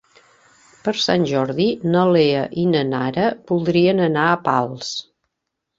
Per Sant Jordi na Lea i na Nara voldrien anar a Pals.